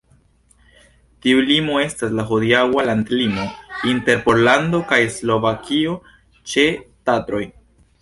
Tiu limo estas la hodiaŭa landlimo inter Pollando kaj Slovakio ĉe Tatroj.